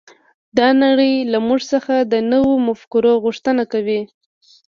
دا نړۍ له موږ څخه د نويو مفکورو غوښتنه کوي.